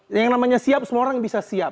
yang namanya siap semua orang bisa siap